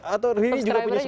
atau riri juga punya seperti itu